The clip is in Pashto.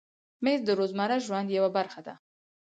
مېز د روزمره ژوند یوه برخه ده.